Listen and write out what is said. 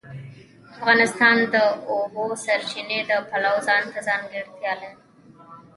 افغانستان د د اوبو سرچینې د پلوه ځانته ځانګړتیا لري.